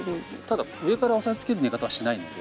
ただ上から押さえつける寝方はしないんで。